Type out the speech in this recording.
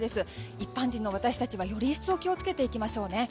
一般人の私たちはより一層気を付けていきましょうね。